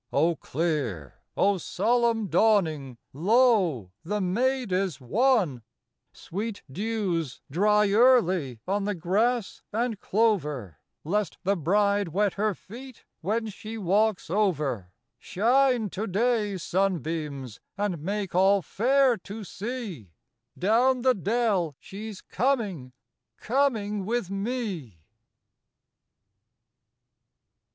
O clear, O solemn dawning, lo, the maid is won Sweet dews, dry early on the grass and clover, Lest the bride wet her feet when she walks over; Shine to day, sunbeams, and make all fair to see: Down the dell she's coming — coming with me.